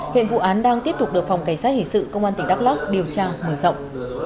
hiện vụ án đang tiếp tục được phòng cảnh sát hình sự công an tỉnh đắk lóc điều tra mở rộng